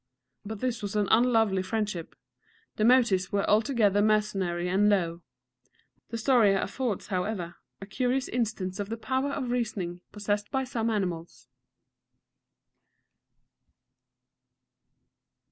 But this was an unlovely friendship. The motives were altogether mercenary and low. The story affords, however, a curious instance of the power of reasoning possessed by some animals.